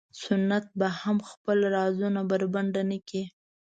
سنت به هم خپل رازونه بربنډ نه کړي.